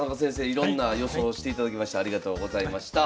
いろんな予想をしていただきましてありがとうございました。